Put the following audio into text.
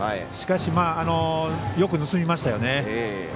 しかし、よく盗みましたよね。